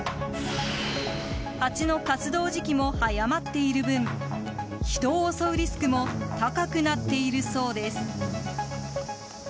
ハチの活動時期も早まっている分人を襲うリスクも高くなっているそうです。